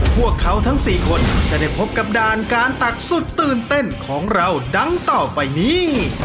พวกเขาทั้ง๔คนจะได้พบกับด่านการตัดสุดตื่นเต้นของเราดังต่อไปนี้